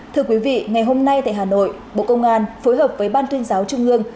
thưa quý vị ngày hôm nay tại hà nội bộ công an phối hợp với ban tuyên giáo trung ương